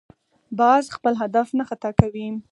باز خپل هدف نه خطا کوي